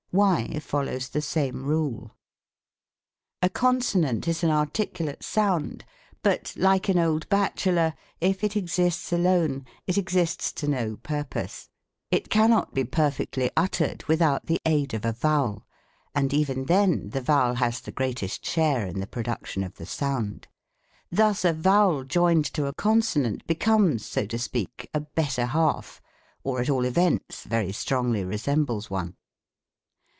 Y follows the same rule. , A consonant is an articulate sound ; but, like an old bachelor, if it exists alone, it exists to no purpose. 12 THE COMIC ENGLISH GRAMMAR. It cannot be perfectly uttered without the aid of a vowel ; and even then the vowel has the greatest share in the production of the sound. Thus a vowel joined to a consonant becomes, so to speak, a " better half:" or at all events very strongly resembles one.